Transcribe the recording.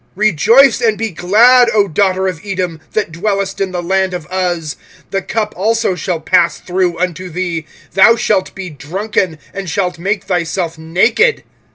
25:004:021 Rejoice and be glad, O daughter of Edom, that dwellest in the land of Uz; the cup also shall pass through unto thee: thou shalt be drunken, and shalt make thyself naked.